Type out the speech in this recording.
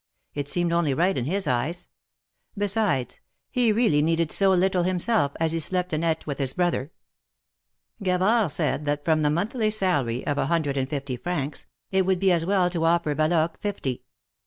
It seemed only right in his eyes. Besides, he really needed so little himself, as he slept and eat with his brother. Gavard said that from the monthly salary of a hundred and fifty francs, it would be as well to offer Valoque fifty.